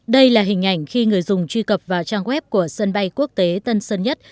đây là hình ảnh khi người dùng truy cập vào trang web của sân bay quốc tế tân sơn nhất